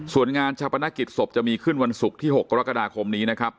ส่วนงานชาปนกิจศพจะมีขึ้นวันศุกร์ที่๖กรกฎาคมนี้นะครับ